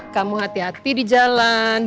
tante rosa aku mau bawa tante rosa ke jalan ini